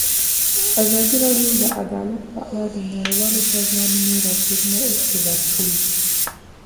ازادي راډیو د عدالت په اړه د نړیوالو سازمانونو راپورونه اقتباس کړي.